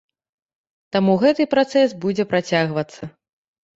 Таму гэты працэс будзе працягвацца.